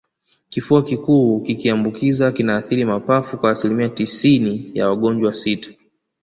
Kifua kikuu kikiambukiza kinaathiri mapafu kwa asilimia tisini ya wagonjwa sita